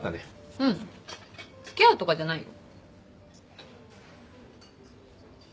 ううん付き合うとかじゃないよ。